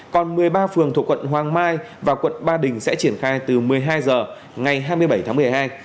còn một mươi ba phường thuộc quận hoàng mai và quận ba đình sẽ triển khai từ một mươi hai h ngày hai mươi bảy tháng một mươi hai